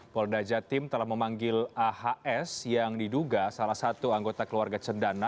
polda jatim telah memanggil ahs yang diduga salah satu anggota keluarga cendana